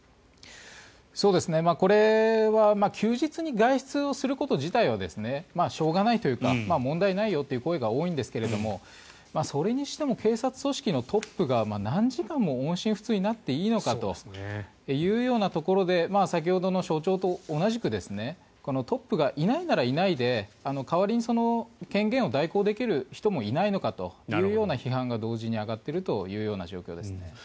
これは休日に外出をすること自体はしょうがないというか問題ないよという声が多いんですがそれにしても警察組織のトップが何時間も音信不通になっていいのかというところで先ほどの署長と同じくトップがいないならいないで代わりに権限を代行できる人もいないのかというような批判が同時に上がっているという状況ですね。